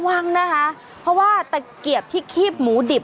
วังนะคะเพราะว่าตะเกียบที่คีบหมูดิบ